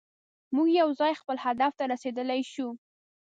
موږ یوځای خپل هدف ته رسیدلی شو.